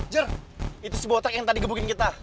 jer itu si botak yang tadi gebukin kita